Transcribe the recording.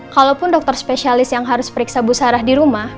kalaupun dokter spesialis yang harus periksa busarah di rumah